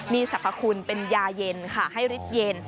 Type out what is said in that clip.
มีสรรพคุณเป็นยาเย็นค่ะให้ฤทธิเย็น